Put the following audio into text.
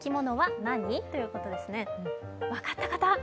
分かった方？